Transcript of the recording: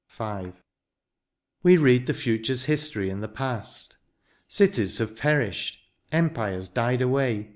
V. We read the future's history in the past — Cities have perished, empires died away.